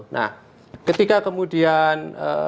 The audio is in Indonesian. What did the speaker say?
nah ketika kemudian